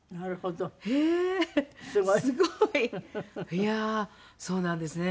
いやあそうなんですね。